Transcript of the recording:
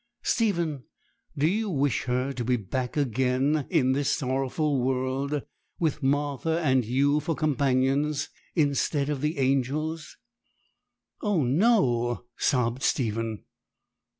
'Stephen, do you wish her to be back again in this sorrowful world, with Martha and you for companions, instead of the angels?' 'Oh no!' sobbed Stephen.